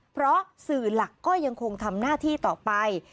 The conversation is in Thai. เพราะสื่อหลักก็ยังคงทำหน้าที่ต่อไป